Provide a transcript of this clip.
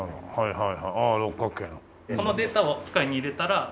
はい。